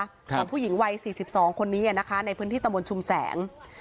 ของผู้หญิงวัย๔๒คนนี้นะคะในพื้นที่ตำบลชุมแสง